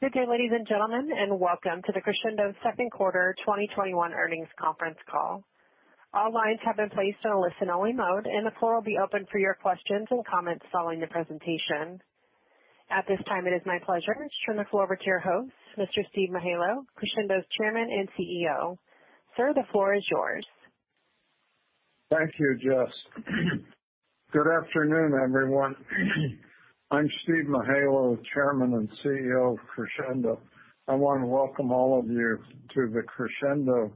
Good day, ladies and gentlemen, and welcome to the Crexendo second quarter 2021 earnings conference call. All lines have been placed in a listen-only mode, and the floor will be open for your questions and comments following the presentation. At this time, it is my pleasure to turn the floor over to your host, Mr. Steve Mihaylo, Crexendo's Chairman and CEO. Sir, the floor is yours. Thank you, Jess. Good afternoon, everyone. I'm Steve Mihaylo, Chairman and CEO of Crexendo. I want to welcome all of you to the Crexendo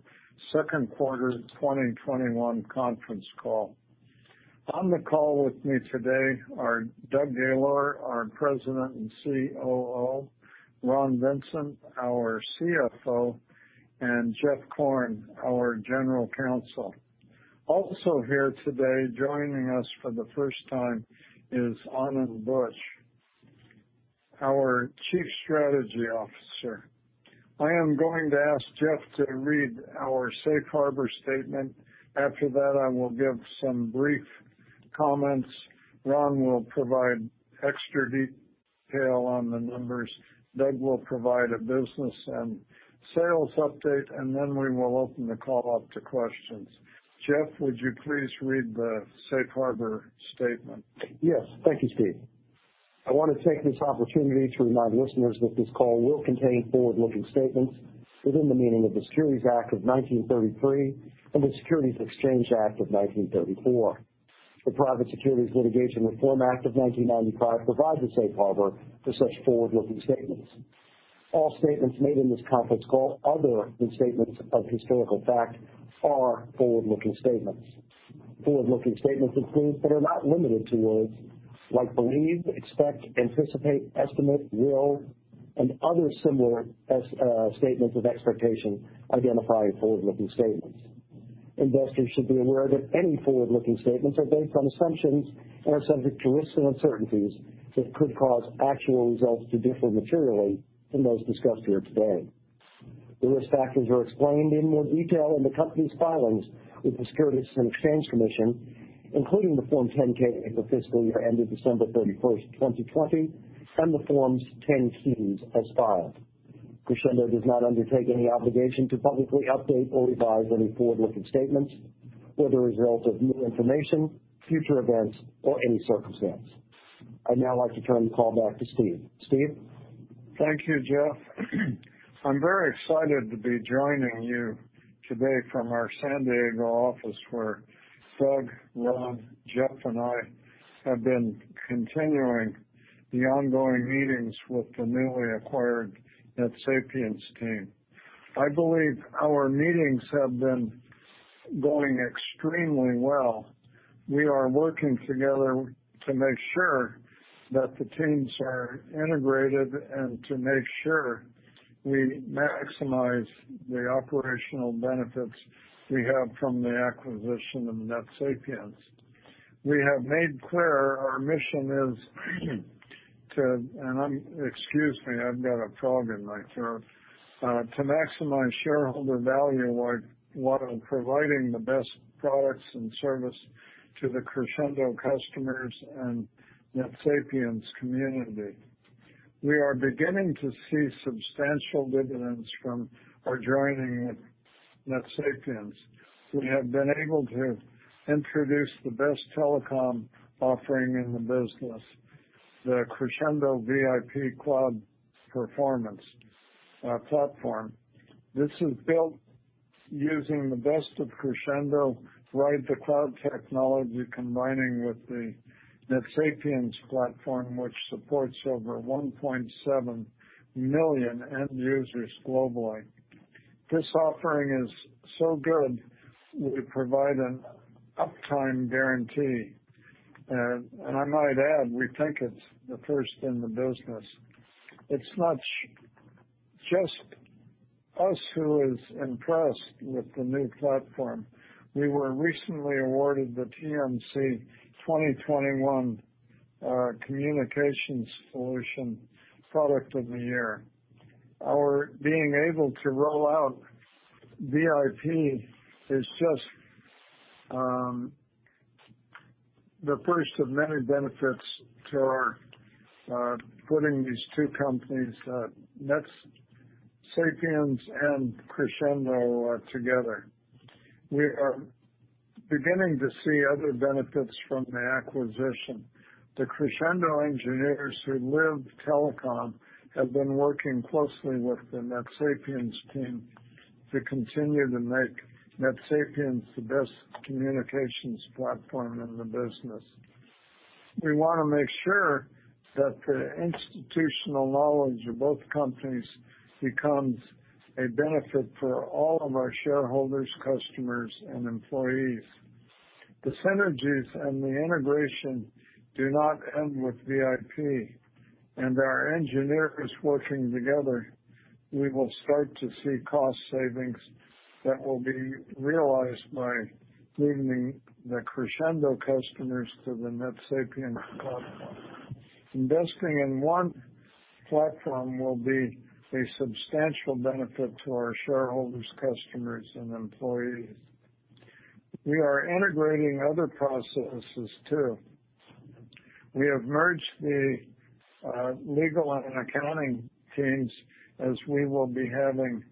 second quarter 2021 conference call. On the call with me today are Doug Gaylor, our President and COO, Ron Vincent, our CFO, and Jeff Korn, our General Counsel. Also here today, joining us for the first time, is Anand Buch, our Chief Strategy Officer. I am going to ask Jeff to read our safe harbor statement. I will give some brief comments. Ron will provide extra detail on the numbers. Doug will provide a business and sales update. We will open the call up to questions. Jeff, would you please read the safe harbor statement? Yes. Thank you, Steve. I want to take this opportunity to remind listeners that this call will contain forward-looking statements within the meaning of the Securities Act of 1933 and the Securities Exchange Act of 1934. The Private Securities Litigation Reform Act of 1995 provides a safe harbor for such forward-looking statements. All statements made in this conference call other than statements of historical fact are forward-looking statements. Forward-looking statements include, but are not limited to, words like believe, expect, anticipate, estimate, will, and other similar statements of expectation identifying forward-looking statements. Investors should be aware that any forward-looking statements are based on assumptions and are subject to risks and uncertainties that could cause actual results to differ materially from those discussed here today. The risk factors are explained in more detail in the company's filings with the Securities and Exchange Commission, including the Form 10-K at the fiscal year ended December 31st, 2020, and the Forms 10-Qs, as filed. Crexendo does not undertake any obligation to publicly update or revise any forward-looking statements as a result of new information, future events, or any circumstance. I'd now like to turn the call back to Steve. Steve? Thank you, Jeff. I'm very excited to be joining you today from our San Diego office, where Doug, Ron, Jeff, and I have been continuing the ongoing meetings with the newly acquired NetSapiens team. I believe our meetings have been going extremely well. We are working together to make sure that the teams are integrated and to make sure we maximize the operational benefits we have from the acquisition of NetSapiens. We have made clear our mission is to, excuse me, I've got a frog in my throat, to maximize shareholder value while providing the best products and service to the Crexendo customers and NetSapiens community. We are beginning to see substantial dividends from our joining with NetSapiens. We have been able to introduce the best telecom offering in the business, the Crexendo VIP Cloud platform. This is built using the best of Crexendo right to cloud technology, combining with the NetSapiens platform, which supports over 1.7 million end users globally. This offering is so good that we provide an uptime guarantee, and I might add, we think it's the first in the business. It's not just us who is impressed with the new platform. We were recently awarded the TMC 2021 Communications Solution Product of the Year. Our being able to roll out VIP is just the first of many benefits to our putting these two companies, NetSapiens and Crexendo, together. We are beginning to see other benefits from the acquisition. The Crexendo engineers who live telecom have been working closely with the NetSapiens team to continue to make NetSapiens the best communications platform in the business. We want to make sure that the institutional knowledge of both companies becomes a benefit for all of our shareholders, customers, and employees. The synergies and the integration do not end with VIP, and our engineers working together, we will start to see cost savings that will be realized by moving the Crexendo customers to the NetSapiens platform. Investing in one platform will be a substantial benefit to our shareholders, customers, and employees. We are integrating other processes too. We have merged the legal and accounting teams as we will be having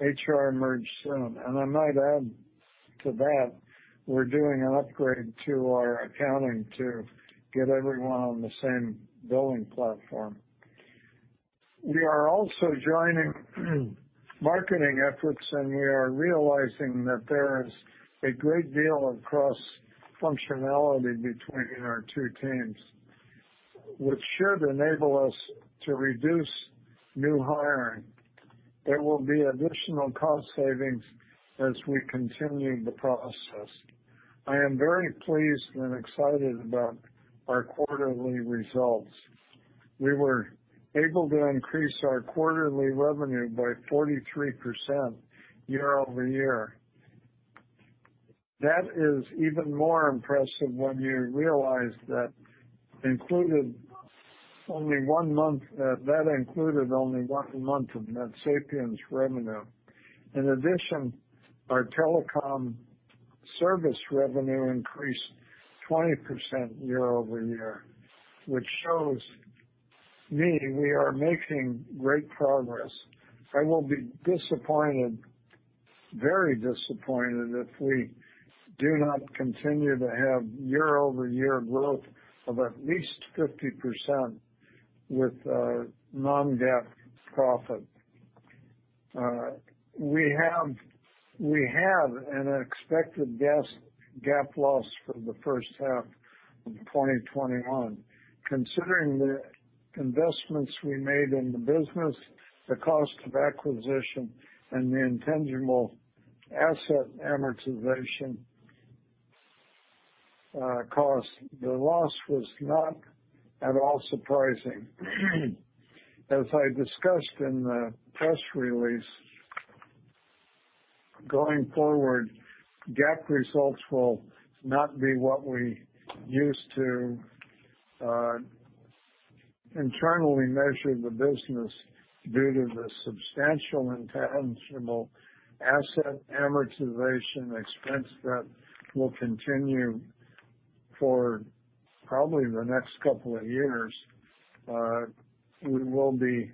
HR merge soon. I might add to that, we're doing an upgrade to our accounting to get everyone on the same billing platform. We are also joining marketing efforts, and we are realizing that there is a great deal of cross-functionality between our two teams, which should enable us to reduce new hiring. There will be additional cost savings as we continue the process. I am very pleased and excited about our quarterly results. We were able to increase our quarterly revenue by 43% year-over-year. That is even more impressive when you realize that that included only one month of NetSapiens revenue. In addition, our telecom service revenue increased 20% year-over-year, which shows me we are making great progress. I will be disappointed, very disappointed, if we do not continue to have year-over-year growth of at least 50% with our non-GAAP profit. We have an expected GAAP loss for the first half of 2021. Considering the investments we made in the business, the cost of acquisition, and the intangible asset amortization cost, the loss was not at all surprising. As I discussed in the press release, going forward, GAAP results will not be what we're used to internally measuring the business due to the substantial intangible asset amortization expense that will continue for probably the next couple of years. We will be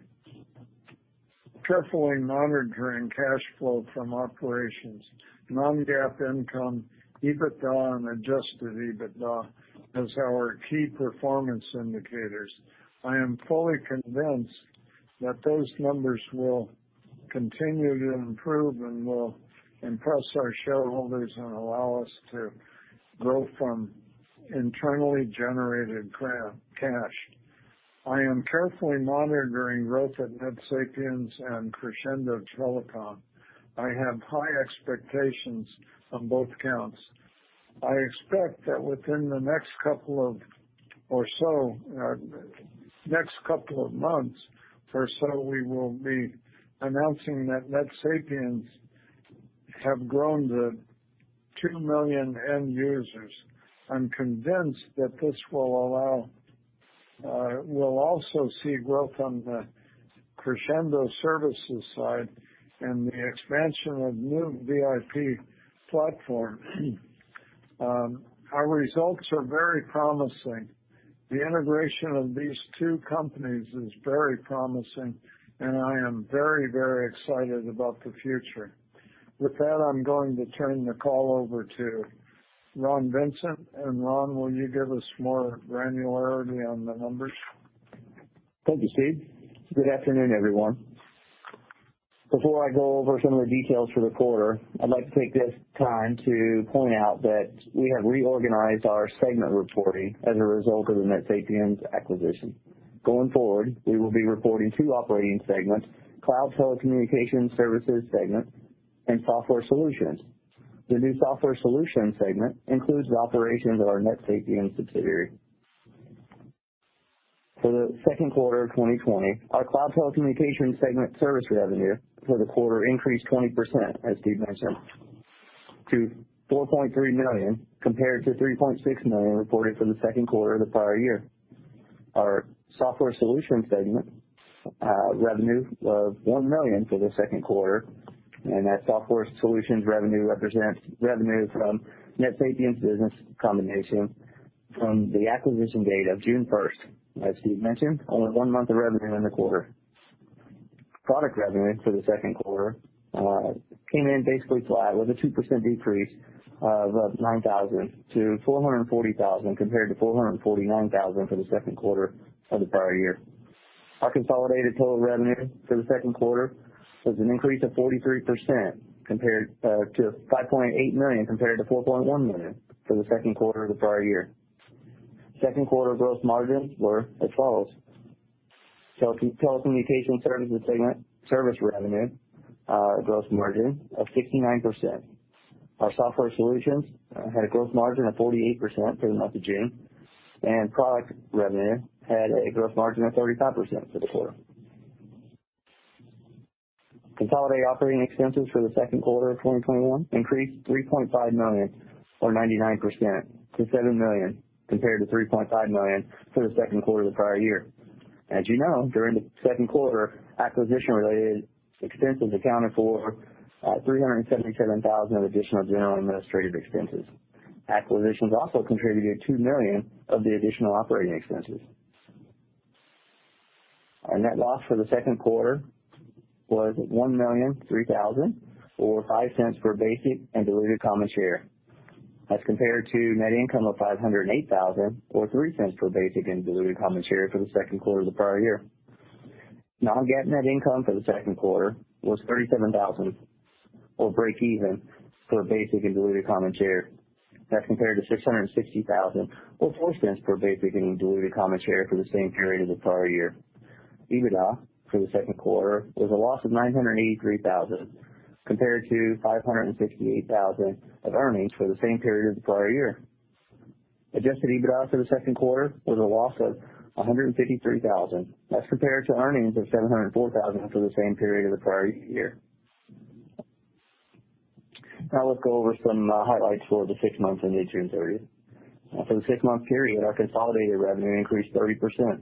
carefully monitoring cash flow from operations, non-GAAP income, EBITDA, and adjusted EBITDA as our key performance indicators. I am fully convinced that those numbers will continue to improve and will impress our shareholders and allow us to grow from internally generated cash. I am carefully monitoring growth at NetSapiens and Crexendo Telecom. I have high expectations on both counts. I expect that within the next couple of months or so, we will be announcing that NetSapiens have grown to two million end users. We'll also see growth on the Crexendo services side and the expansion of new VIP platform. Our results are very promising. The integration of these two companies is very promising, I am very excited about the future. With that, I'm going to turn the call over to Ron Vincent. Ron, will you give us more granularity on the numbers? Thank you, Steve. Good afternoon, everyone. Before I go over some of the details for the quarter, I'd like to take this time to point out that we have reorganized our segment reporting as a result of the NetSapiens acquisition. Going forward, we will be reporting two operating segments, Cloud Telecommunication Services segment, and Software Solutions. The new Software Solutions segment includes the operations of our NetSapiens subsidiary. For the second quarter of 2020, our Cloud Telecommunication Services segment service revenue for the quarter increased 20%, as Steve mentioned, to $4.3 million, compared to $3.6 million reported for the second quarter of the prior year. Our Software Solutions segment revenue of $1 million for the second quarter. That Software Solutions revenue represents revenue from NetSapiens business combination from the acquisition date of June 1st. As Steve mentioned, only one month of revenue in the quarter. Product revenue for the second quarter came in basically flat with a 2% decrease of $9,000 to $440,000 compared to $449,000 for the second quarter of the prior year. Our consolidated total revenue for the second quarter was an increase of 43% to $5.8 million compared to $4.1 million for the second quarter of the prior year. Second quarter gross margins were as follows. Telecommunication services segment service revenue, gross margin of 69%. Our software solutions had a gross margin of 48% for the month of June, and product revenue had a gross margin of 35% for the quarter. Consolidated operating expenses for the second quarter of 2021 increased $3.5 million or 99% to $7 million compared to $3.5 million for the second quarter of the prior year. As you know, during the second quarter, acquisition-related expenses accounted for $377,000 of additional general administrative expenses. Acquisitions also contributed $2 million of the additional operating expenses. Our net loss for the second quarter was $1,003,000, or $0.05 per basic and diluted common share, as compared to net income of $508,000, or $0.03 per basic and diluted common share for the second quarter of the prior year. non-GAAP net income for the second quarter was $37,000, or breakeven for basic and diluted common share. That's compared to $660,000, or $0.04 per basic and diluted common share for the same period of the prior year. EBITDA for the second quarter was a loss of $983,000, compared to $568,000 of earnings for the same period of the prior year. Adjusted EBITDA for the second quarter was a loss of $153,000. That's compared to earnings of $704,000 for the same period of the prior year. Let's go over some highlights for the six months that ended June 30th. For the six-month period, our consolidated revenue increased 30%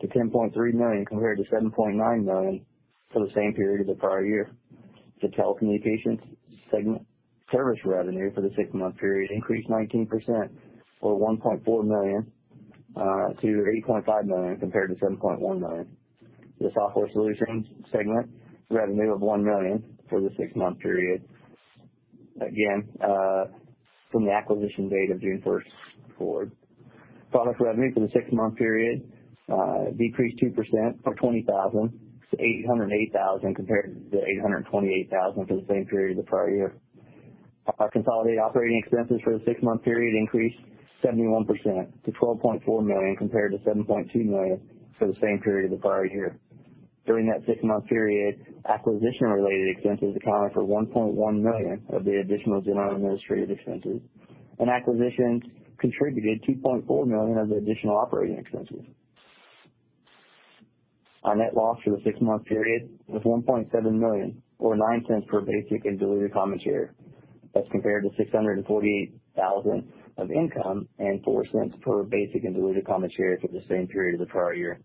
to $10.3 million, compared to $7.9 million for the same period of the prior year. The telecommunications segment service revenue for the six-month period increased 19%, or $1.4 million, to $8.5 million, compared to $7.1 million. The Software Solutions segment revenue of $1 million for the six-month period. Again, from the acquisition date of June 1st forward. Product revenue for the six-month period decreased 2%, or $20,000, to $808,000, compared to $828,000 for the same period of the prior year. Our consolidated operating expenses for the six-month period increased 71%, to $12.4 million, compared to $7.2 million for the same period of the prior year. During that six-month period, acquisition-related expenses accounted for $1.1 million of the additional general administrative expenses, and acquisitions contributed $2.4 million of the additional operating expenses. Our net loss for the six-month period was $1.7 million, or $0.09 per basic and diluted common share. That's compared to $648,000 of income and $0.04 per basic and diluted common share for the same period of the prior year.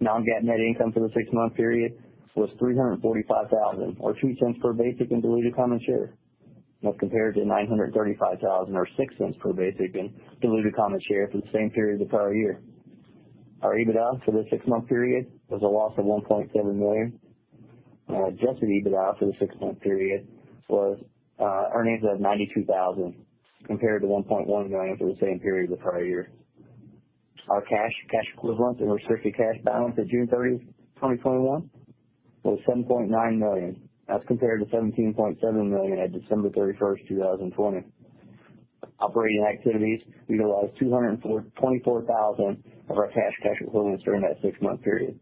Non-GAAP net income for the six-month period was $345,000, or $0.02 per basic and diluted common share. That's compared to $935,000, or $0.06 per basic and diluted common share for the same period of the prior year. Our EBITDA for the six-month period was a loss of $1.7 million. Adjusted EBITDA for the six-month period was earnings of $92,000, compared to $1.1 million for the same period of the prior year. Our cash equivalents, and restricted cash balance at June 30th, 2021, was $7.9 million. That's compared to $17.7 million at December 31st, 2020. Operating activities utilized $224,000 of our cash equivalents during that six-month period.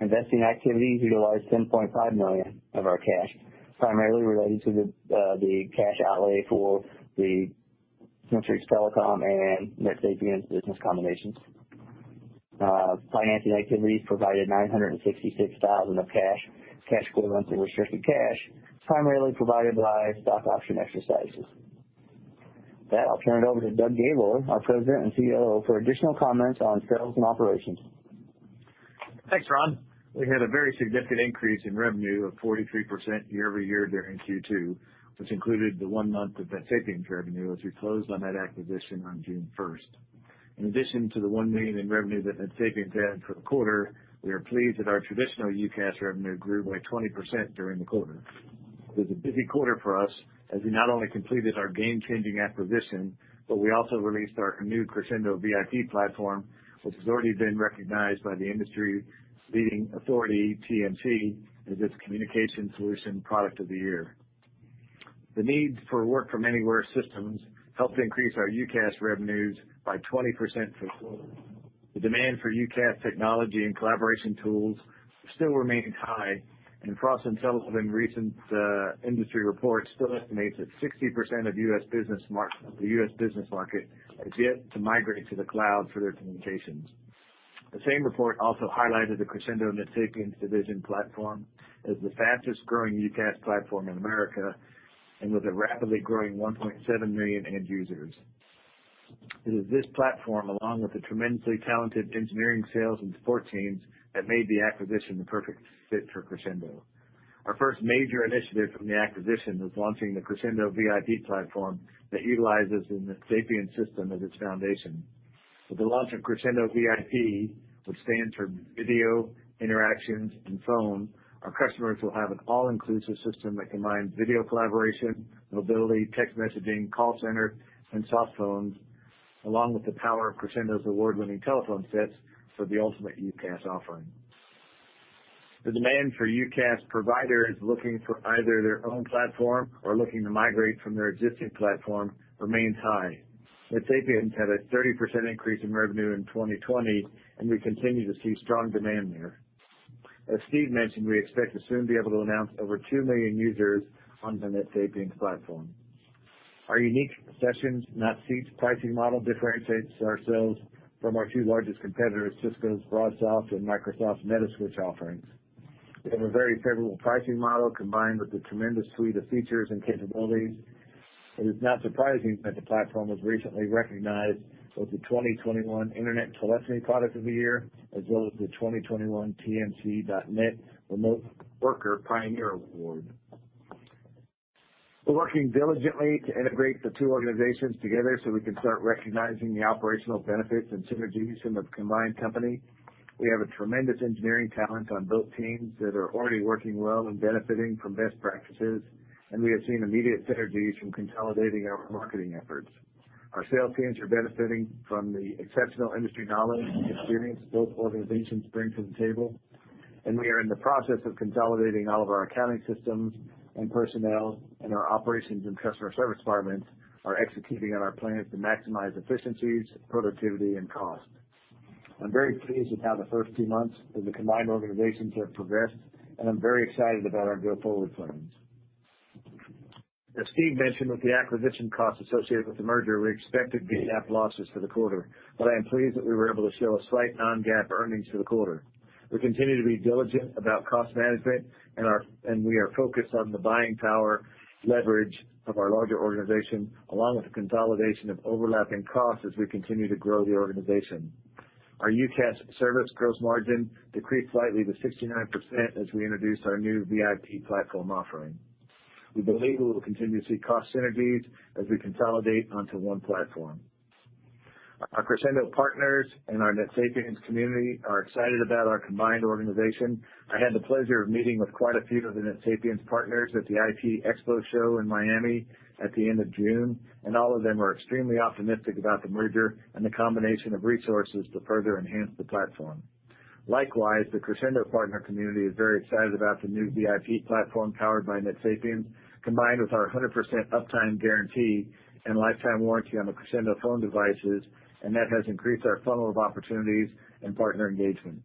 Investing activities utilized $10.5 million of our cash, primarily related to the cash outlay for the Centric Telecom and NetSapiens business combinations. Financing activities provided $966,000 of cash equivalents, or restricted cash, primarily provided by stock option exercises. With that, I'll turn it over to Doug Gaylor, our President and COO, for additional comments on sales and operations. Thanks, Ron. We had a very significant increase in revenue of 43% year-over-year during Q2, which included the one month of NetSapiens revenue as we closed on that acquisition on June 1st. In addition to the $1 million in revenue that NetSapiens had for the quarter, we are pleased that our traditional UCaaS revenue grew by 20% during the quarter. It was a busy quarter for us as we not only completed our game-changing acquisition, but we also released our new Crexendo VIP platform, which has already been recognized by the industry-leading authority, TMC, as its [Communicating Solution] Product of the Year. The need for work-from-anywhere systems helped increase our UCaaS revenues by 20% for the quarter. The demand for UCaaS technology and collaboration tools still remains high, and Frost & Sullivan recent industry report still estimates that 60% of the U.S. business market is yet to migrate to the cloud for their communications. The same report also highlighted the Crexendo NetSapiens division platform as the fastest-growing UCaaS platform in America and with a rapidly growing 1.7 million end users. It is this platform, along with the tremendously talented engineering, sales, and support teams, that made the acquisition the perfect fit for Crexendo. Our first major initiative from the acquisition was launching the Crexendo VIP platform that utilizes the NetSapiens system as its foundation. With the launch of Crexendo VIP, which stands for Video, Interactions, and Phone, our customers will have an all-inclusive system that combines video collaboration, mobility, text messaging, call center, and soft phones, along with the power of Crexendo's award-winning telephone sets for the ultimate UCaaS offering. The demand for UCaaS providers looking for either their own platform or looking to migrate from their existing platform remains high. NetSapiens had a 30% increase in revenue in 2020, and we continue to see strong demand there. As Steve mentioned, we expect to soon be able to announce over two million users on the NetSapiens platform. Our unique sessions-not-seats pricing model differentiates ourselves from our two largest competitors, Cisco's BroadSoft and Microsoft's Metaswitch offerings. We have a very favorable pricing model combined with a tremendous suite of features and capabilities. It is not surprising that the platform was recently recognized both the 2021 INTERNET TELEPHONY Product of the Year, as well as the 2021 TMCnet Remote Work Pioneer Award. We're working diligently to integrate the two organizations together so we can start recognizing the operational benefits and synergies from the combined company. We have a tremendous engineering talent on both teams that are already working well and benefiting from best practices, and we have seen immediate synergies from consolidating our marketing efforts. Our sales teams are benefiting from the exceptional industry knowledge and experience both organizations bring to the table, and we are in the process of consolidating all of our accounting systems and personnel, and our operations and customer service departments are executing on our plans to maximize efficiencies, productivity, and cost. I'm very pleased with how the first two months of the combined organizations have progressed, and I'm very excited about our go-forward plans. As Steve mentioned, with the acquisition costs associated with the merger, we expected GAAP losses for the quarter. I am pleased that we were able to show a slight non-GAAP earnings for the quarter. We continue to be diligent about cost management. We are focused on the buying power leverage of our larger organization, along with the consolidation of overlapping costs as we continue to grow the organization. Our UCaaS service gross margin decreased slightly to 69% as we introduced our new VIP platform offering. We believe we will continue to see cost synergies as we consolidate onto one platform. Our Crexendo partners and our NetSapiens community are excited about our combined organization. I had the pleasure of meeting with quite a few of the NetSapiens partners at the ITEXPO Show in Miami at the end of June. All of them are extremely optimistic about the merger and the combination of resources to further enhance the platform. Likewise, the Crexendo partner community is very excited about the new VIP platform powered by NetSapiens, combined with our 100% uptime guarantee and lifetime warranty on the Crexendo phone devices. That has increased our funnel of opportunities and partner engagement.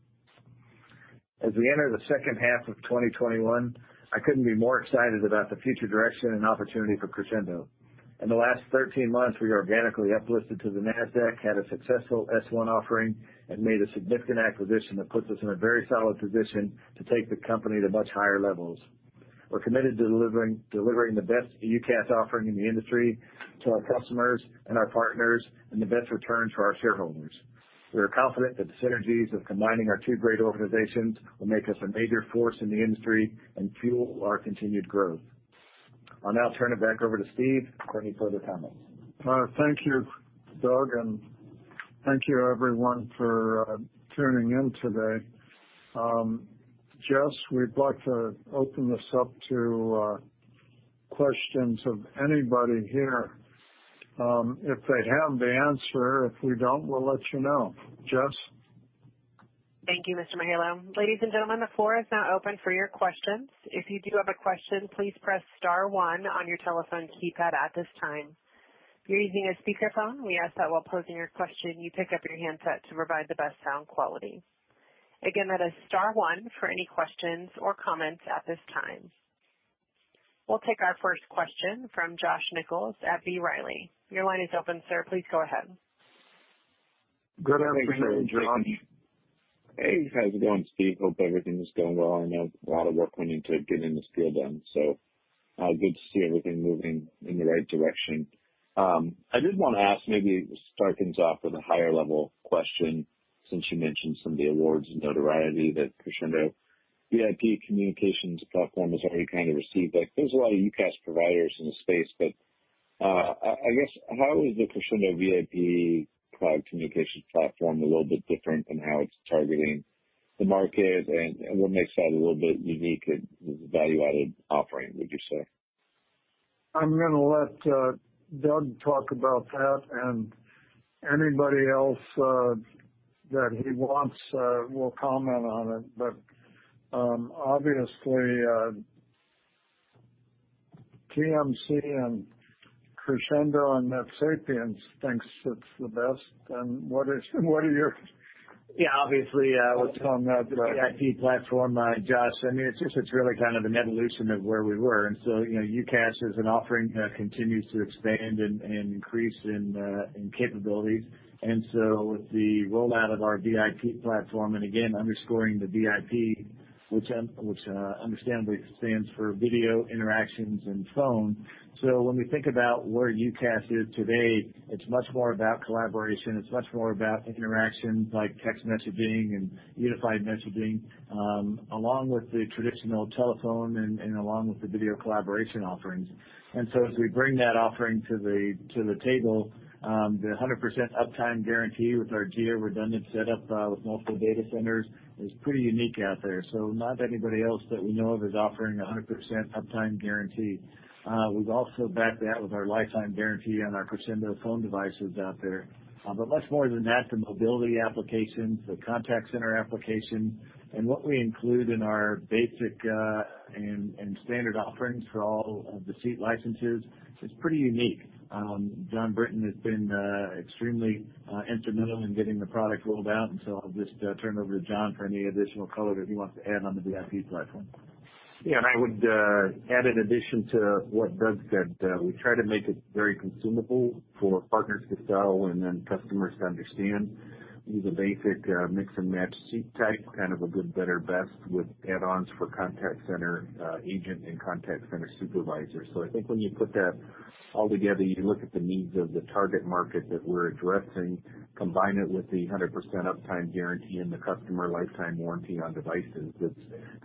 As we enter the second half of 2021, I couldn't be more excited about the future direction and opportunity for Crexendo. In the last 13 months, we organically uplisted to the Nasdaq, had a successful S-1 offering. Made a significant acquisition that puts us in a very solid position to take the company to much higher levels. We're committed to delivering the best UCaaS offering in the industry to our customers and our partners and the best return for our shareholders. We are confident that the synergies of combining our two great organizations will make us a major force in the industry and fuel our continued growth. I'll now turn it back over to Steve for any further comments. Thank you, Doug, and thank you everyone for tuning in today. Jess, we'd like to open this up to questions of anybody here. If they have the answer, if we don't, we'll let you know. Jess? Thank you, Mr. Mihaylo. Ladies and gentlemen, the floor is now open for your questions. If you do have a question, please press star one on your telephone keypad at this time. If you're using a speakerphone, we ask that while posing your question, you pick up your handset to provide the best sound quality. Again, that is star one for any questions or comments at this time. We'll take our first question from Josh Nichols at B. Riley. Your line is open, sir. Please go ahead. Good afternoon, Jon. Hey, how's it going, Steve? Hope everything is going well. I know a lot of work went into getting this deal done, so good to see everything moving in the right direction. I did want to ask, maybe start things off with a higher level question since you mentioned some of the awards and notoriety that Crexendo VIP Communications platform has already kind of received. There's a lot of UCaaS providers in the space, but I guess how is the Crexendo VIP cloud communications platform a little bit different in how it's targeting the market, and what makes that a little bit unique as a value-added offering, would you say? I'm going to let Doug talk about that and anybody else that he wants will comment on it. Obviously, TMC and Crexendo and NetSapiens thinks it's the best. Obviously, what's going on with the VIP platform, Josh, it's just it's really kind of an evolution of where we were. UCaaS is an offering that continues to expand and increase in capabilities. With the rollout of our VIP platform, and again, underscoring the VIP, which understandably stands for video, interactions, and phone. When we think about where UCaaS is today, it's much more about collaboration, it's much more about interactions like text messaging and unified messaging, along with the traditional telephone and along with the video collaboration offerings. As we bring that offering to the table, the 100% uptime guarantee with our geo-redundant setup with multiple data centers is pretty unique out there. Not anybody else that we know of is offering 100% uptime guarantee. We've also backed that with our lifetime guarantee on our Crexendo phone devices out there. Much more than that, the mobility applications, the contact center application, and what we include in our basic and standard offerings for all of the seat licenses is pretty unique. Jon Brinton has been extremely instrumental in getting the product rolled out, and so I'll just turn it over to Jon for any additional color that he wants to add on the VIP platform. Yeah, and I would add, in addition to what Doug said, we try to make it very consumable for partners to sell and then customers to understand. Use a basic mix-and-match seat type, kind of a good, better, best with add-ons for contact center agent and contact center supervisor. I think when you put that all together, you look at the needs of the target market that we're addressing, combine it with the 100% uptime guarantee and the customer lifetime warranty on devices,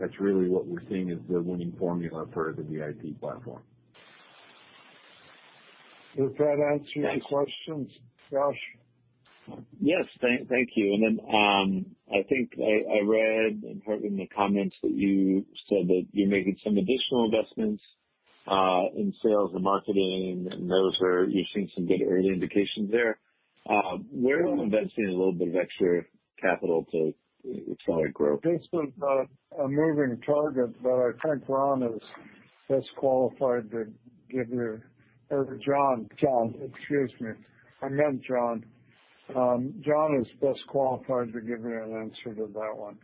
that's really what we're seeing as the winning formula for the VIP platform. Does that answer your questions, Josh? Yes. Thank you. I think I read and heard in the comments that you said that you're making some additional investments in sales and marketing, and those where you've seen some good early indications there. Where are you investing a little bit of extra capital to accelerate growth? This is a moving target. Excuse me. I meant Jon. Jon is best qualified to give you an answer to that one.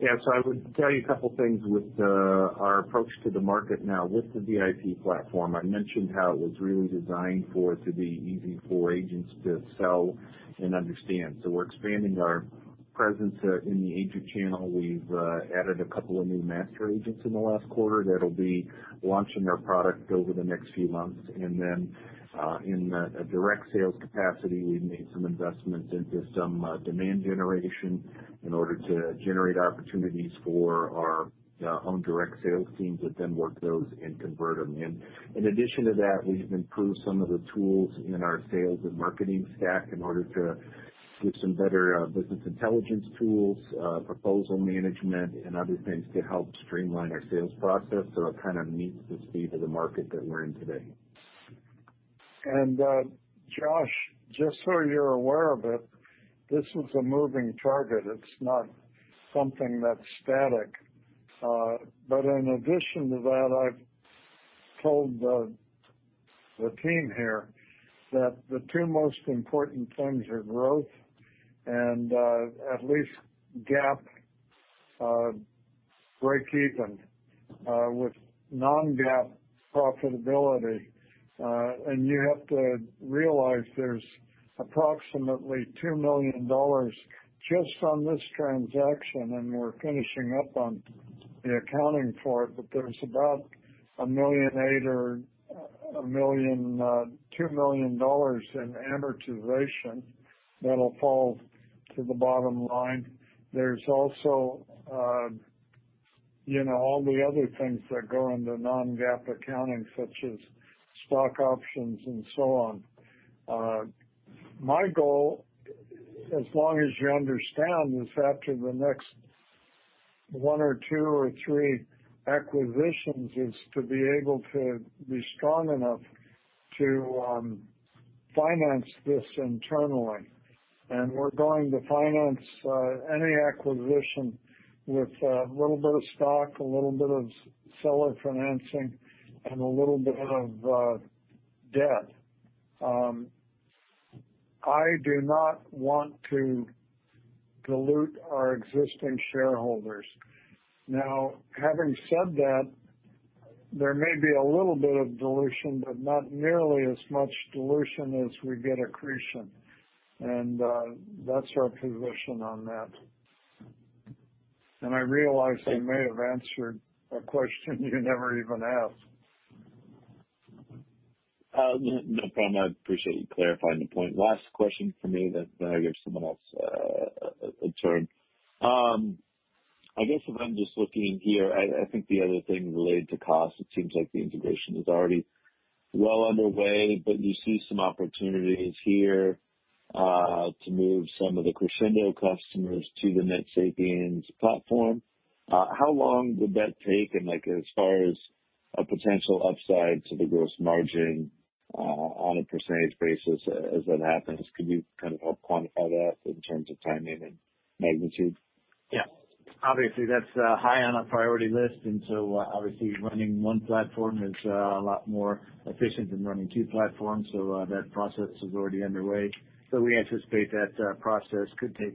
Yeah. I would tell you couple things with our approach to the market now with the VIP platform. I mentioned how it was really designed for it to be easy for agents to sell and understand. We're expanding our presence in the agent channel. We've added a couple of new master agents in the last quarter that'll be launching their product over the next few months. In a direct sales capacity, we've made some investments into some demand generation in order to generate opportunities for our own direct sales teams that then work those and convert them. In addition to that, we have improved some of the tools in our sales and marketing stack in order to give some better business intelligence tools, proposal management, and other things to help streamline our sales process so it kind of meets the speed of the market that we're in today. Josh, just so you're aware of it, this is a moving target. It's not something that's static. In addition to that, I've told the team here that the two most important things are growth and at least GAAP breakeven, with non-GAAP profitability. You have to realize there's approximately $2 million just on this transaction, and we're finishing up on the accounting for it, but there's about $1.8 million or $2 million in amortization that'll fall to the bottom line. There's also all the other things that go into non-GAAP accounting, such as stock options and so on. My goal, as long as you understand, is after the next one or two or three acquisitions, is to be able to be strong enough to finance this internally. We're going to finance any acquisition with a little bit of stock, a little bit of seller financing, and a little bit of debt. I do not want to dilute our existing shareholders. Now, having said that, there may be a little bit of dilution, but not nearly as much dilution as we get accretion. That's our position on that. I realize I may have answered a question you never even asked. No problem. I appreciate you clarifying the point. Last question from me, then I give someone else a turn. I guess what I'm just looking here, I think the other thing related to cost, it seems like the integration is already well underway, but you see some opportunities here to move some of the Crexendo customers to the NetSapiens platform. How long would that take? As far as a potential upside to the gross margin on a percentage basis as that happens, could you kind of help quantify that in terms of timing and magnitude? Obviously, that's high on our priority list. Obviously running one platform is a lot more efficient than running two platforms. That process is already underway. We anticipate that process could take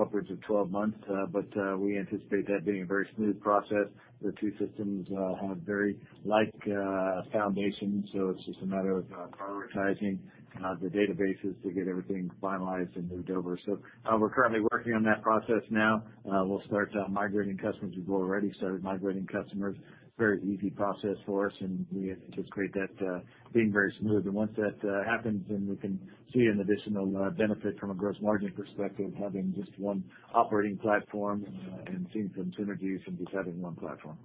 upwards of 12 months, but we anticipate that being a very smooth process. The two systems have very like foundations, so it's just a matter of prioritizing the databases to get everything finalized and moved over. We're currently working on that process now. We'll start migrating customers. We've already started migrating customers. Very easy process for us, and we anticipate that being very smooth. Once that happens, we can see an additional benefit from a gross margin perspective, having just one operating platform and seeing some synergies from just having one platform.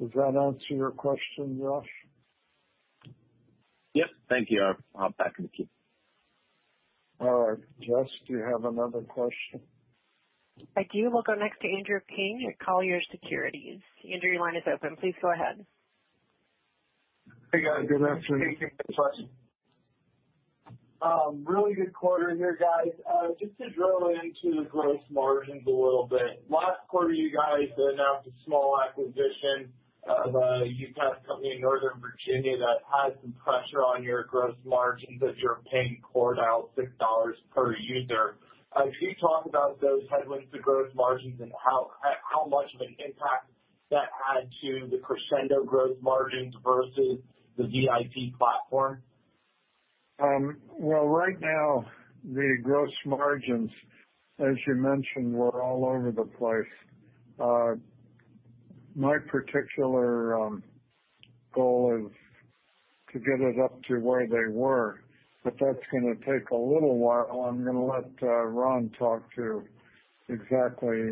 Does that answer your question, Josh? Yep. Thank you. I'll pop back in the queue. All right. Jess, do you have another question? I do. We'll go next to Andrew King at Colliers Securities. Andrew, your line is open. Please go ahead. Hey, guys. Good afternoon. Thanks for the question. Really good quarter here, guys. Just to drill into gross margins a little bit. Last quarter, you guys announced a small acquisition of a UCaaS company in Northern Virginia that had some pressure on your gross margins as you're paying CoreDial $6 per user. Could you talk about those headwinds to gross margins and how much of an impact that add to the Crexendo gross margins versus the VIP platform? Well, right now, the gross margins, as you mentioned, were all over the place. My particular goal is to get it up to where they were, but that's going to take a little while, and I'm going to let Ron talk to exactly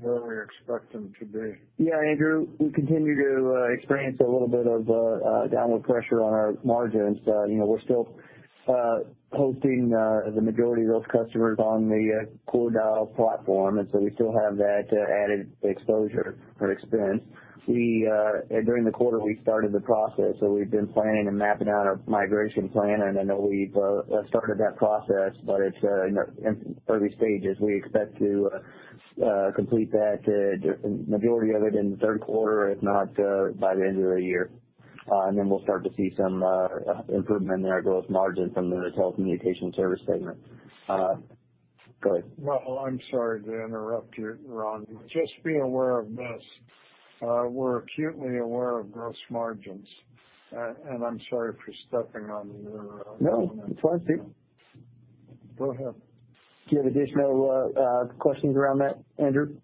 where we expect them to be. Andrew, we continue to experience a little bit of downward pressure on our margins. We're still hosting the majority of those customers on the CoreDial platform, we still have that added exposure and expense. During the quarter, we started the process. We've been planning and mapping out a migration plan, I know we've started that process, but it's in early stages. We expect to complete the majority of it in the th.rd quarter, if not by the end of the year. We'll start to see some improvement in our growth margin from the NetSapiens managed service segment. Go ahead. Well, I'm sorry to interrupt you, Ron. Just be aware of this. We're acutely aware of gross margins, and I'm sorry for stepping on your. No, it's fine, Steve. Go ahead. Do you have additional questions around that, Andrew?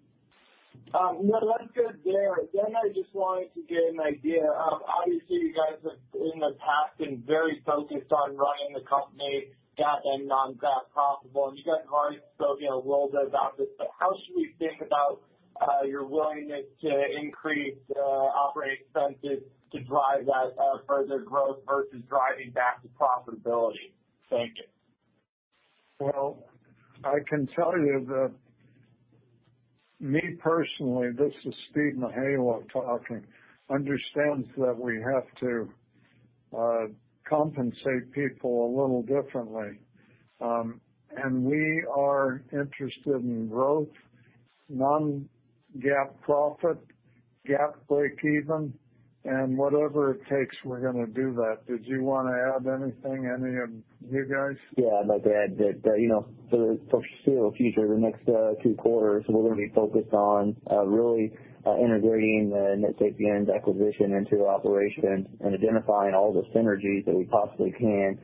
No, that's good there. I just wanted to get an idea of, obviously, you guys have in the past been very focused on running the company GAAP and non-GAAP profitable, and you guys have already spoken a little bit about this. How should we think about your willingness to increase operating expenses to drive that further growth versus driving back to profitability? Thank you. Well, I can tell you that me personally, this is Steve Mihaylo talking, understands that we have to compensate people a little differently. We are interested in growth, non-GAAP profit, GAAP breakeven, and whatever it takes, we're going to do that. Did you want to add anything, any of you guys? Yeah, I'd like to add that, for the foreseeable future, the next two quarters, we're going to be focused on really integrating the NetSapiens acquisition into operations and identifying all the synergies that we possibly can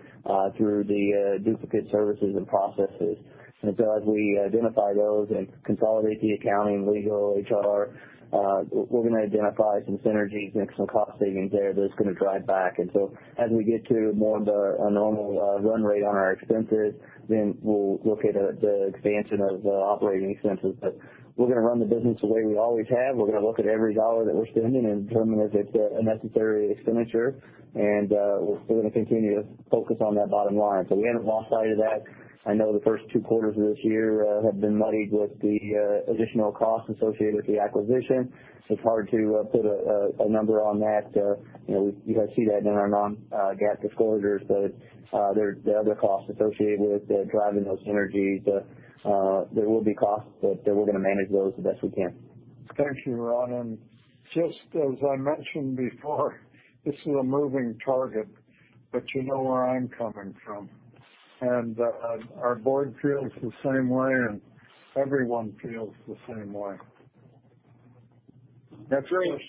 through the duplicate services and processes. As we identify those and consolidate the accounting, legal, HR, we're going to identify some synergies, make some cost savings there that's going to drive back. As we get to more of a normal run rate on our expenses, then we'll look at the expansion of operating expenses. We're going to run the business the way we always have. We're going to look at every dollar that we're spending and determine if it's a necessary expenditure, and we're still going to continue to focus on that bottom line. We haven't lost sight of that. I know the first two quarters of this year have been muddied with the additional costs associated with the acquisition. It's hard to put a number on that. You guys see that in our non-GAAP disclosures, but there are other costs associated with driving those synergies. There will be costs, but we're going to manage those the best we can. Thank you, Ron, and just as I mentioned before, this is a moving target, but you know where I'm coming from. Our board feels the same way, and everyone feels the same way. That's great.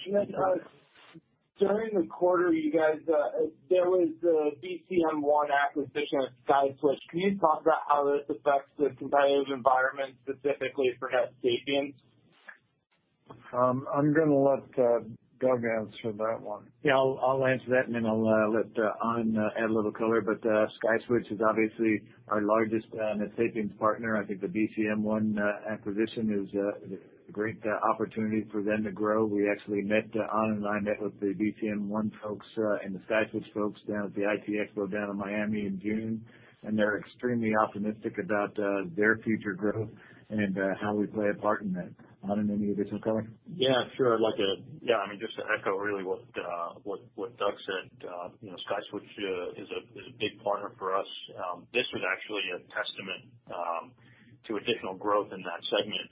During the quarter, you guys, there was a BCM One acquisition with SkySwitch. Can you talk about how this affects the competitive environment, specifically for NetSapiens? I'm going to let Doug answer that one. Yeah, I'll answer that, and then I'll let An add a little color, but SkySwitch is obviously our largest NetSapiens partner. I think the BCM One acquisition is a great opportunity for them to grow. An and I met with the BCM One folks and the SkySwitch folks down at the ITEXPO down in Miami in June, and they're extremely optimistic about their future growth and how we play a part in that. An, any additional color? Yeah, sure. Just to echo really what Doug said. SkySwitch is a big partner for us. This was actually a testament to additional growth in that segment.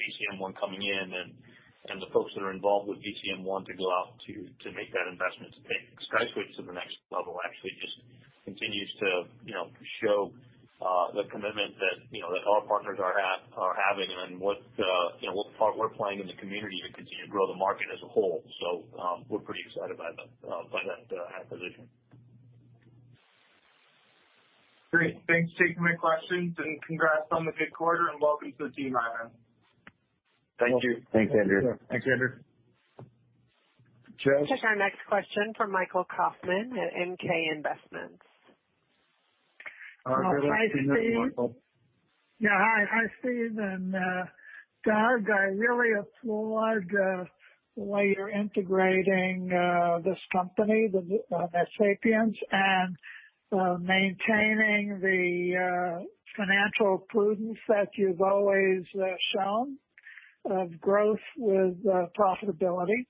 BCM One coming in and the folks that are involved with BCM One to go out to make that investment, to take SkySwitch to the next level, actually just continues to show the commitment that our partners are having and what part we're playing in the community to continue to grow the market as a whole. We're pretty excited by that acquisition. Great. Thanks. Take my questions, and congrats on the good quarter, and welcome to the team, Anand. Thank you. Thanks, Andrew. Thanks, Andrew. Jess? Take our next question from Michael Kaufman at MK Investments. Go ahead, Michael. Yeah, hi, Steve and Doug. I really applaud the way you're integrating this company, NetSapiens, and maintaining the financial prudence that you've always shown of growth with profitability.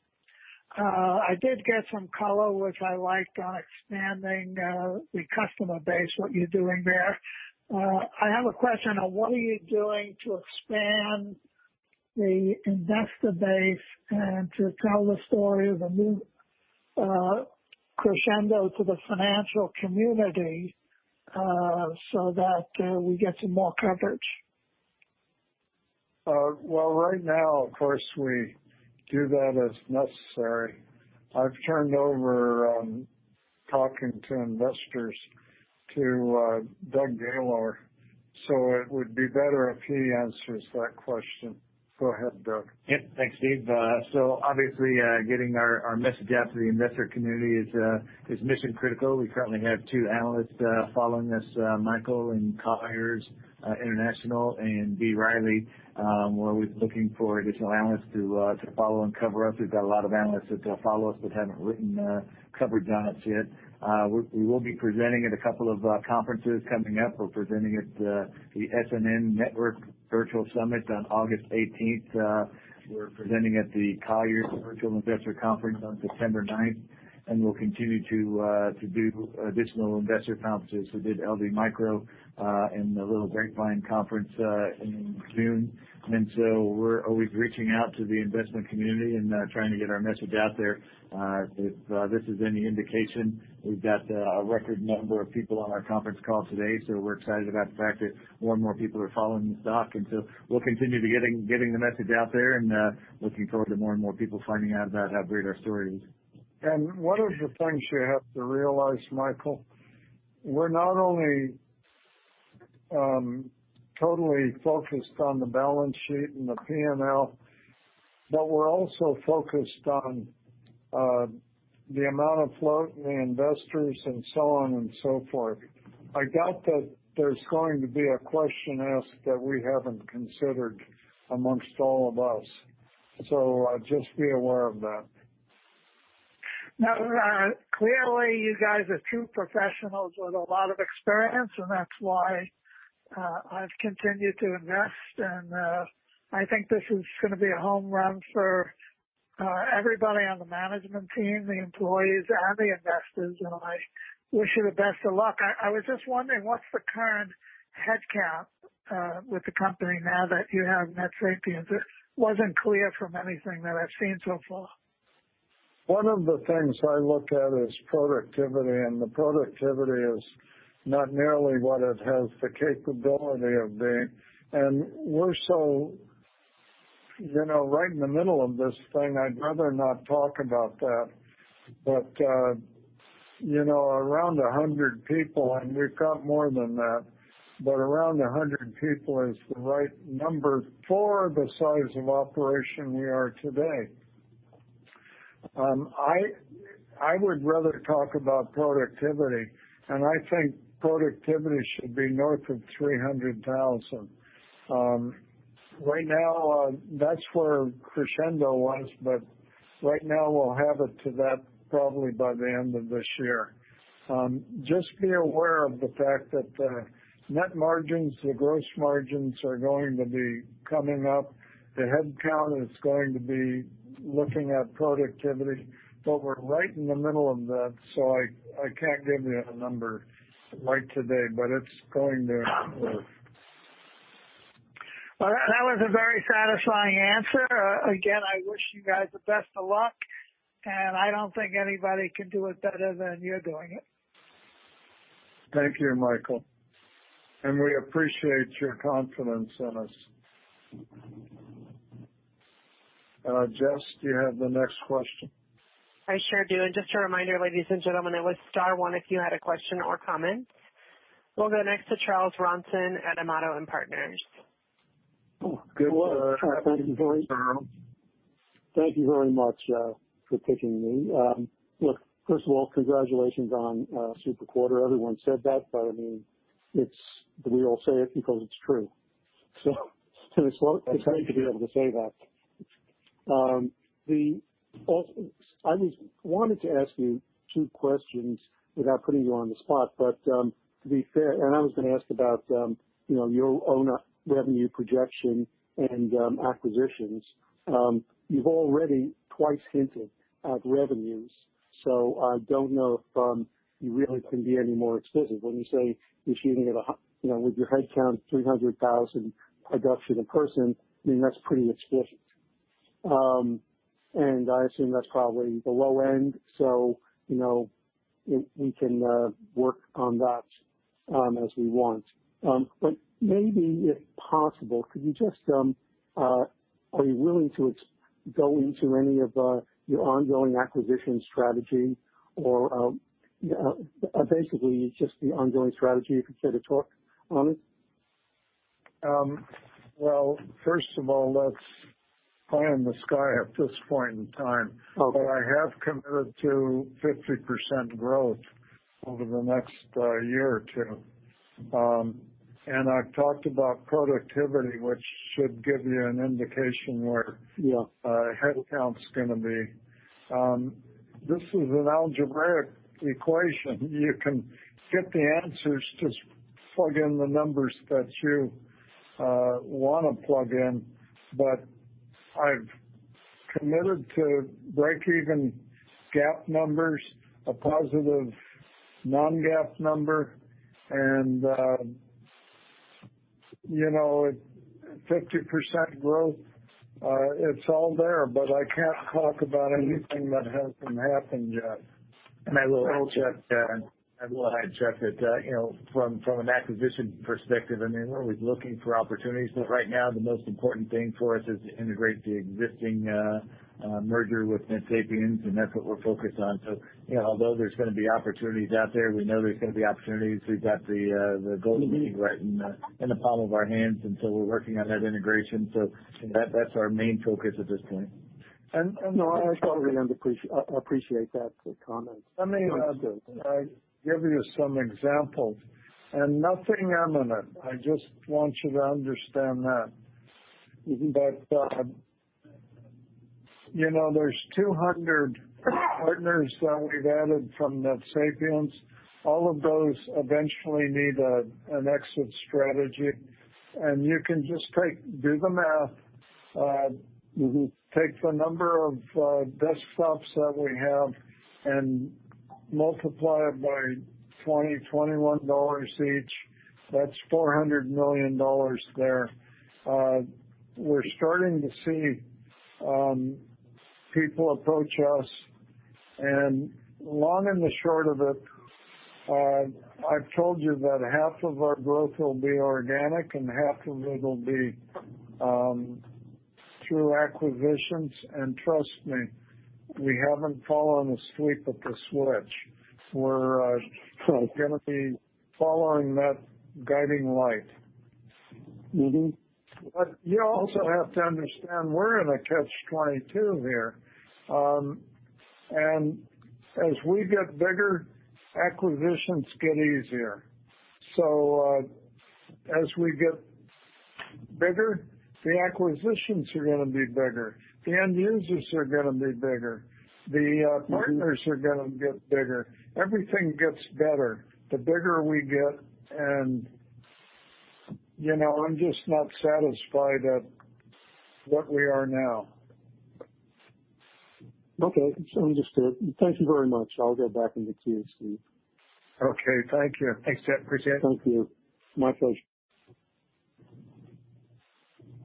I did get some color, which I liked, on expanding the customer base, what you're doing there. I have a question on what are you doing to expand the investor base and to tell the story of a new Crexendo to the financial community so that we get some more coverage. Right now, of course, we do that as necessary. I've turned over talking to investors to Doug Gaylor, so it would be better if he answers that question. Go ahead, Doug. Yep. Thanks, Steve. Obviously, getting our message out to the investor community is mission critical. We currently have two analysts following us, Michael in Colliers International and B. Riley. We're always looking for additional analysts to follow and cover us. We've got a lot of analysts that follow us but haven't written coverage on us yet. We will be presenting at a couple of conferences coming up. We're presenting at the SNN Network Virtual Summit on August 18th. We're presenting at the Colliers Virtual Investor Conference on September 9th, and we'll continue to do additional investor conferences. We did LD Micro, and the Laidlaw & Company conference in June. We're always reaching out to the investment community and trying to get our message out there. If this is any indication, we've got a record number of people on our conference call today, so we're excited about the fact that more and more people are following the stock. We'll continue to getting the message out there and looking forward to more and more people finding out about how great our story is. One of the things you have to realize, Michael, we're not only totally focused on the balance sheet and the P&L, but we're also focused on the amount of float and the investors and so on and so forth. I doubt that there's going to be a question asked that we haven't considered amongst all of us. Just be aware of that. Clearly, you guys are two professionals with a lot of experience, that's why I've continued to invest. I think this is going to be a home run for everybody on the management team, the employees, and the investors, and I wish you the best of luck. I was just wondering, what's the current headcount with the company now that you have NetSapiens? It wasn't clear from anything that I've seen so far. One of the things I look at is productivity, and the productivity is not nearly what it has the capability of being. We're so right in the middle of this thing, I'd rather not talk about that. Around 100 people, and we've got more than that, but around 100 people is the right number for the size of operation we are today. I would rather talk about productivity, and I think productivity should be north of $300,000. Right now, that's where Crexendo was, but right now we'll have it to that probably by the end of this year. Just be aware of the fact that the net margins, the gross margins are going to be coming up. The headcount is going to be looking at productivity. We're right in the middle of that, so I can't give you a number right today, but it's going to improve. That was a very satisfying answer. I wish you guys the best of luck, and I don't think anybody can do it better than you're doing it. Thank you, Michael. We appreciate your confidence in us. Jess, do you have the next question? I sure do. Just a reminder, ladies and gentlemen, it was star one if you had a question or comment. We'll go next to Chuck Ronson at Amato and Partners. Good. Thank you very much. Thank you very much for taking me. Look, first of all, congratulations on a super quarter. Everyone said that, but I mean, we all say it because it's true. It's great to be able to say that. I wanted to ask you two questions without putting you on the spot, but to be fair, and I was going to ask about your own revenue projection and acquisitions. You've already twice hinted at revenues, so I don't know if you really can be any more explicit. When you say with your headcount 300,000 production a person, I mean, that's pretty explicit. I assume that's probably the low end, so we can work on that as we want. Maybe if possible, are you willing to go into any of your ongoing acquisition strategy or basically just the ongoing strategy, if you care to talk on it? Well, first of all, let's pie in the sky at this point in time. Okay. I have committed to 50% growth over the next year or two. I've talked about productivity. Yeah Headcount's going to be. This is an algebraic equation. You can get the answers, just plug in the numbers that you want to plug in. I've committed to break even GAAP numbers, a positive non-GAAP number, and 50% growth. It's all there, but I can't talk about anything that hasn't happened yet. I will check that from an acquisition perspective, we're always looking for opportunities, but right now the most important thing for us is to integrate the existing merger with NetSapiens, and that's what we're focused on. Although there's going to be opportunities out there, we know there's going to be opportunities. We've got the golden egg right in the palm of our hands, and so we're working on that integration. That's our main focus at this point. No, I totally appreciate that comment. Let me give you some examples. Nothing imminent. I just want you to understand that. There's 200 partners that we've added from NetSapiens. All of those eventually need an exit strategy. You can just do the math. You take the number of desktops that we have and multiply it by $20 $21 each, that's $400 million there. We're starting to see people approach us, and the long and the short of it, I've told you that half of our growth will be organic and half of it'll be through acquisitions. Trust me, we haven't fallen asleep at the switch. We're going to be following that guiding light. You also have to understand we're in a catch-22 here. As we get bigger, acquisitions get easier. As we get bigger, the acquisitions are going to be bigger. The end users are going to be bigger. The partners are going to get bigger. Everything gets better the bigger we get, and I'm just not satisfied at what we are now. Okay, understood. Thank you very much. I'll go back into queue, Steve. Okay. Thank you. Thanks, [Chuck]. Appreciate it. Thank you. My pleasure.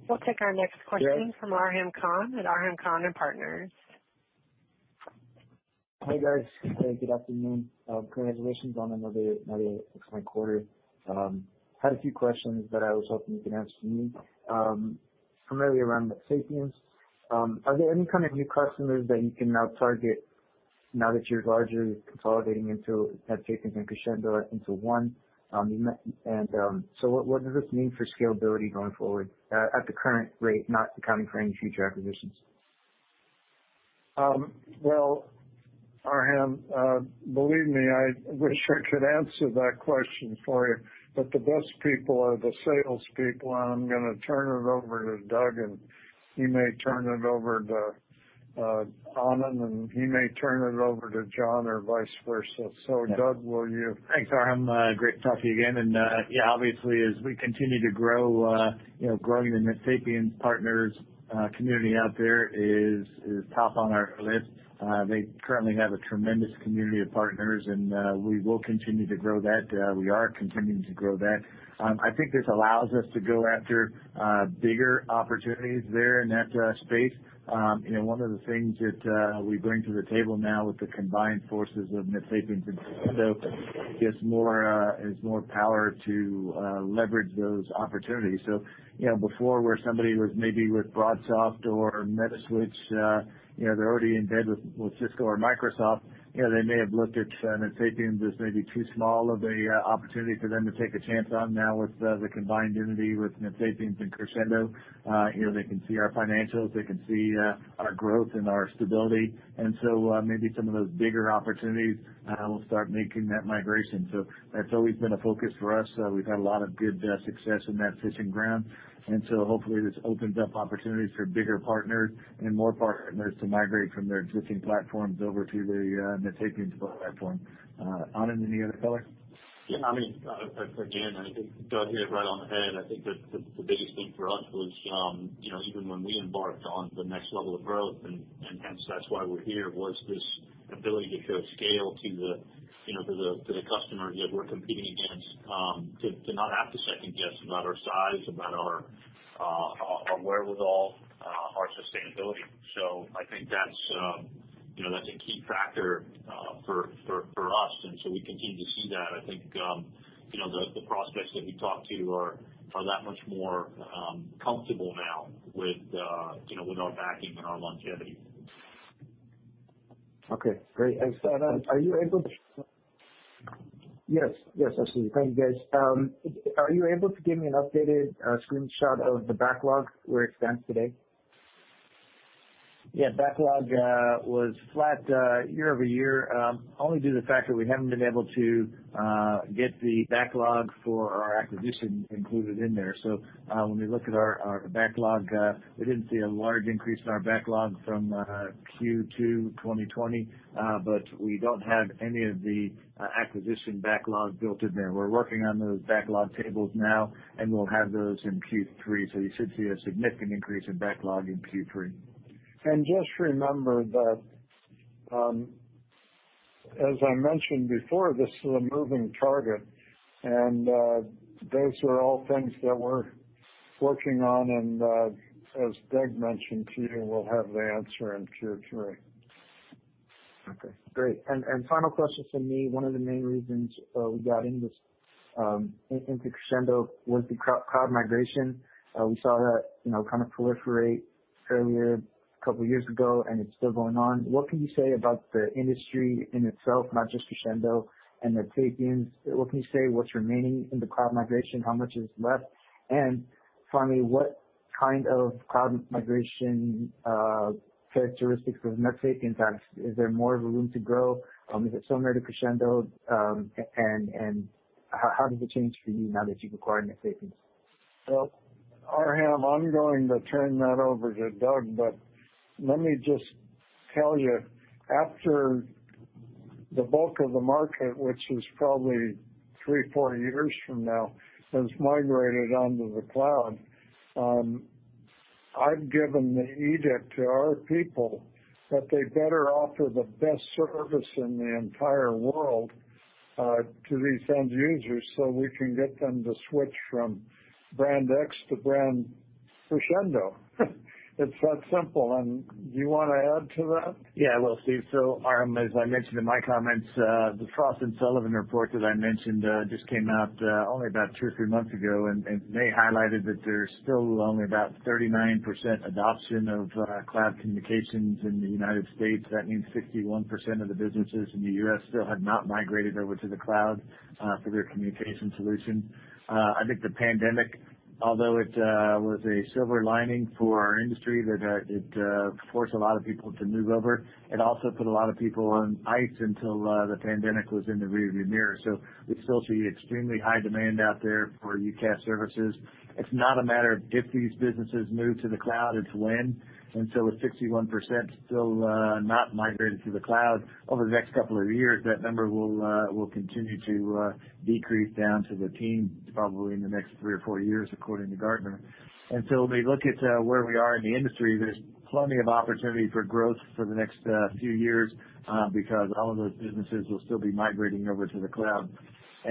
We'll take our next question from Arham Khan at Arham Khan and Partners. Hi, guys. Good afternoon. Congratulations on another excellent quarter. I had a few questions that I was hoping you could answer me, primarily around NetSapiens. Are there any kind of new customers that you can now target now that you're largely consolidating into NetSapiens and Crexendo into one? What does this mean for scalability going forward at the current rate, not accounting for any future acquisitions? Arham, believe me, I wish I could answer that question for you, but the best people are the salespeople, and I'm going to turn it over to Doug, and he may turn it over to Anand, and he may turn it over to Jon or vice versa. Doug, will you? Thanks, Arham. Great to talk to you again. Yeah, obviously as we continue to grow, growing the NetSapiens partners community out there is top on our list. They currently have a tremendous community of partners, we will continue to grow that. We are continuing to grow that. I think this allows us to go after bigger opportunities there in that space. One of the things that we bring to the table now with the combined forces of NetSapiens and Crexendo is more power to leverage those opportunities. Before where somebody was maybe with BroadSoft or Metaswitch, they're already in bed with Cisco or Microsoft, they may have looked at NetSapiens as maybe too small of a opportunity for them to take a chance on. Now, with the combined unity with NetSapiens and Crexendo, they can see our financials. They can see our growth and our stability. Maybe some of those bigger opportunities will start making that migration. That's always been a focus for us. We've had a lot of good success in that fishing ground, hopefully this opens up opportunities for bigger partners and more partners to migrate from their existing platforms over to the NetSapiens platform. Anand, any other color? Yeah, again, I think Doug hit it right on the head. I think the biggest thing for us was even when we embarked on the next level of growth, and hence that’s why we’re here, was this ability to show scale to the customer that we’re competing against to not have to second guess about our size, about our wherewithal, our sustainability. I think that’s a key factor for us, and so we continue to see that. I think the prospects that we talk to are that much more comfortable now with our backing and our longevity. Okay, great. Yes, absolutely. Thank you, guys. Are you able to give me an updated screenshot of the backlog, where it stands today? Yeah. Backlog was flat year-over-year only due to the fact that we haven't been able to get the backlog for our acquisition included in there. When we look at our backlog, we didn't see a large increase in our backlog from Q2 2020, but we don't have any of the acquisition backlog built in there. We're working on those backlog tables now, and we'll have those in Q3. You should see a significant increase in backlog in Q3. Just remember that. As I mentioned before, this is a moving target, and those are all things that we're working on. As Doug mentioned to you, we'll have the answer in Q3. Okay, great. Final question from me. One of the main reasons we got into Crexendo was the cloud migration. We saw that kind of proliferate earlier, a couple of years ago, and it's still going on. What can you say about the industry in itself, not just Crexendo and NetSapiens? What can you say what's remaining in the cloud migration? How much is left? Finally, what kind of cloud migration characteristics does NetSapiens have? Is there more of a room to grow? Is it similar to Crexendo? How does it change for you now that you've acquired NetSapiens? Arham, I'm going to turn that over to Doug, but let me just tell you, after the bulk of the market, which is probably three years, four years from now, has migrated onto the cloud, I've given the edict to our people that they better offer the best service in the entire world, to these end users, so we can get them to switch from brand X to brand Crexendo. It's that simple. Do you want to add to that? Yeah, I will, Steve. Arham, as I mentioned in my comments, the Frost & Sullivan report that I mentioned just came out only about two or three months ago, and they highlighted that there's still only about 39% adoption of cloud communications in the United States. That means 61% of the businesses in the U.S. still have not migrated over to the cloud for their communication solution. I think the pandemic, although it was a silver lining for our industry, that it forced a lot of people to move over, it also put a lot of people on ice until the pandemic was in the rear-view mirror. We still see extremely high demand out there for UCaaS services. It's not a matter of if these businesses move to the cloud, it's when. With 61% still not migrated to the cloud, over the next couple of years, that number will continue to decrease down to the teens, probably in the next three or 4 years, according to Gartner. When we look at where we are in the industry, there's plenty of opportunity for growth for the next few years, because all of those businesses will still be migrating over to the cloud.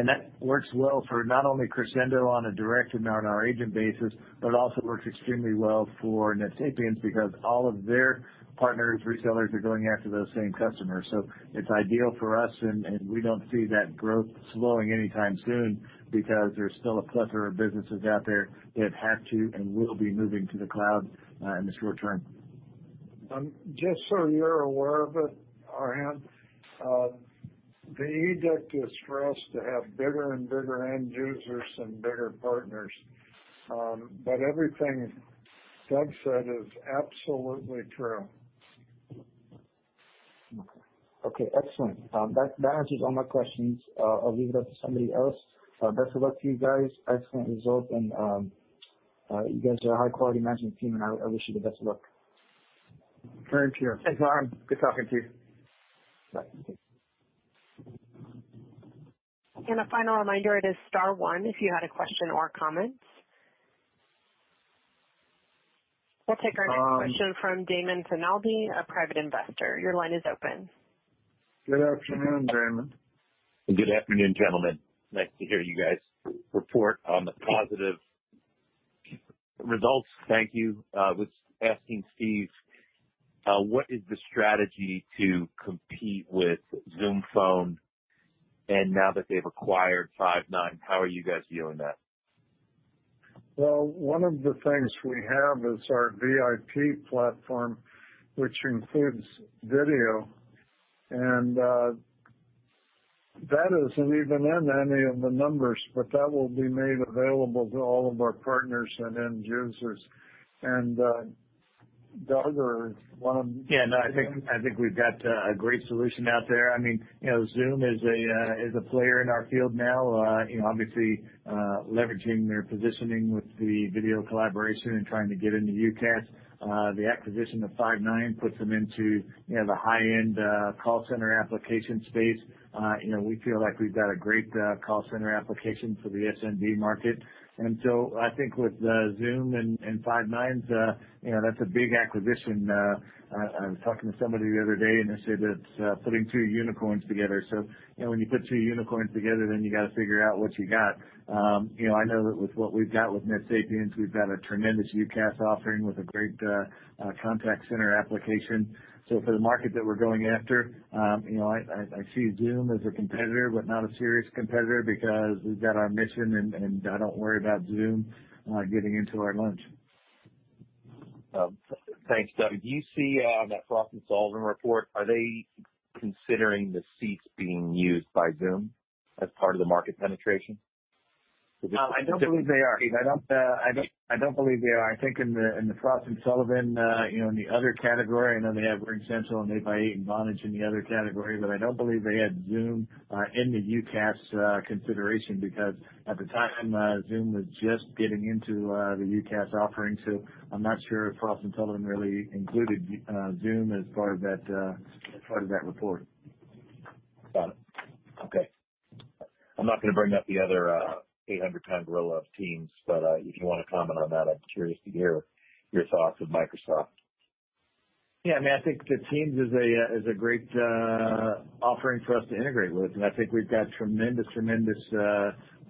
That works well for not only Crexendo on a direct and on our agent basis, but also works extremely well for NetSapiens because all of their partners, resellers, are going after those same customers. It's ideal for us, and we don't see that growth slowing anytime soon because there's still a plethora of businesses out there that have to and will be moving to the cloud, in the short term. Just so you're aware of it, Arham, the edict is for us to have bigger and bigger end users and bigger partners. Everything Doug said is absolutely true. Okay. Okay, excellent. That answers all my questions. I will leave it up to somebody else. Best of luck to you guys. Excellent results and you guys are a high-quality management team, and I wish you the best of luck. Thank you. Thanks, Arham. Good talking to you. Bye. A final reminder, it is star one if you had a question or comment. We'll take our next question from Damon Tunalby, a private investor. Your line is open. Good afternoon, Damon. Good afternoon, gentlemen. Nice to hear you guys report on the positive results. Thank you. I was asking Steve, what is the strategy to compete with Zoom Phone? Now that they've acquired Five9, how are you guys dealing with that? Well, one of the things we have is our VIP platform, which includes video. That isn't even in any of the numbers, but that will be made available to all of our partners and end users. Doug, or one of you. Yeah, no, I think we've got a great solution out there. Zoom is a player in our field now, obviously, leveraging their positioning with the video collaboration and trying to get into UCaaS. The acquisition of Five9 puts them into the high-end call center application space. We feel like we've got a great call center application for the SMB market. I think with [Zoom and Five9], That's a big acquisition. I was talking to somebody the other day, and they said it's putting two unicorns together. When you put two unicorns together, then you got to figure out what you got. I know that with what we've got with NetSapiens, we've got a tremendous UCaaS offering with a great contact center application. For the market that we're going after, I see Zoom as a competitor, but not a serious competitor because we've got our mission, and I don't worry about Zoom getting into our lunch. Thanks, Doug. You see on that Frost & Sullivan report, are they considering the seats being used by Zoom as part of the market penetration? I don't believe they are, Steve. I don't believe they are. I think in the Frost & Sullivan, in the other category, I know they have RingCentral and 8x8 and Vonage in the other category, but I don't believe they had Zoom in the UCaaS consideration because at the time, Zoom was just getting into the UCaaS offering. I'm not sure if Frost & Sullivan really included Zoom as part of that report. Got it. Okay. I'm not going to bring up the other 800-pound gorilla of Teams. If you want to comment on that, I'm curious to hear your thoughts with Microsoft. Yeah, I think that Teams is a great offering for us to integrate with, and I think we've got tremendous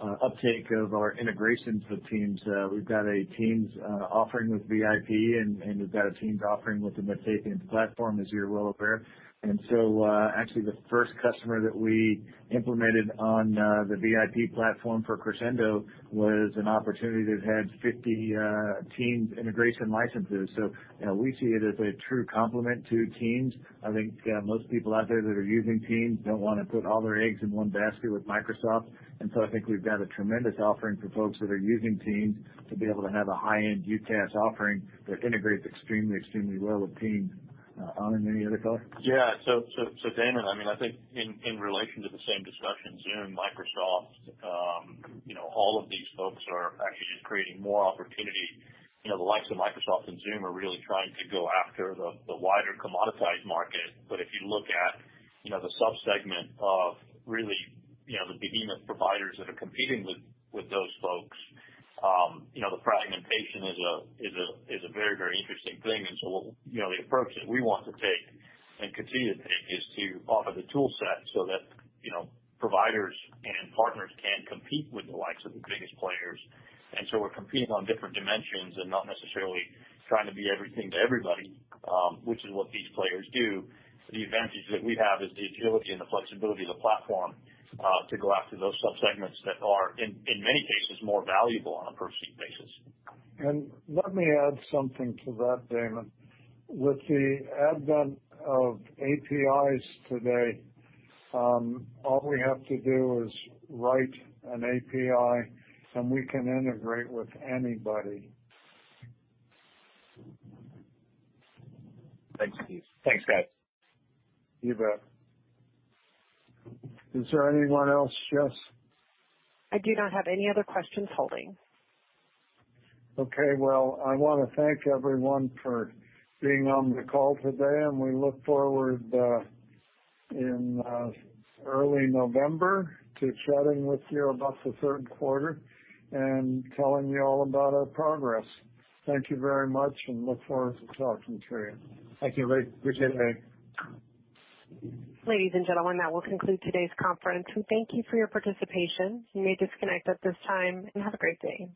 uptake of our integrations with Teams. We've got a Teams offering with VIP, and we've got a Teams offering within the NetSapiens platform, as you're well aware. Actually, the first customer that we implemented on the VIP platform for Crexendo was an opportunity that had 50 Teams integration licenses. We see it as a true complement to Teams. I think most people out there that are using Teams don't want to put all their eggs in one basket with Microsoft. I think we've got a tremendous offering for folks that are using Teams to be able to have a high-end UCaaS offering that integrates extremely well with Teams. Anand, any other thoughts? Yeah. Damon, I think in relation to the same discussion, Zoom, Microsoft, all of these folks are actually just creating more opportunity. The likes of Microsoft and Zoom are really trying to go after the wider commoditized market. If you look at the sub-segment of really the behemoth providers that are competing with those folks, the fragmentation is a very interesting thing. The approach that we want to take, and continue to take, is to offer the tool set so that providers and partners can compete with the likes of the biggest players. We're competing on different dimensions and not necessarily trying to be everything to everybody, which is what these players do. The advantage that we have is the agility and the flexibility of the platform to go after those sub-segments that are, in many cases, more valuable on a per-seat basis. Let me add something to that, Damon. With the advent of APIs today, all we have to do is write an API, and we can integrate with anybody. Thanks, Steve. Thanks, guys. You bet. Is there anyone else, Jess? I do not have any other questions holding. Okay. Well, I want to thank everyone for being on the call today, and we look forward, in early November, to chatting with you about the third quarter and telling you all about our progress. Thank you very much, and look forward to talking to you. Thank you. Appreciate it, [Hay]. Ladies and gentlemen, that will conclude today's conference. Thank you for your participation. You may disconnect at this time. Have a great day.